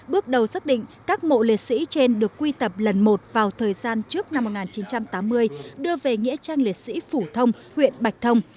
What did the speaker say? bước đầu xác định các mộ liệt sĩ trên được quy tập lần một vào thời gian trước năm một nghìn chín trăm tám mươi đưa về nghĩa trang liệt sĩ phủ thông huyện bạch thông